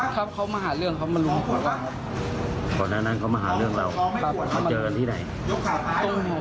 แล้วเขามาหาเรื่องเขามาหาเรื่องไปไหนครับ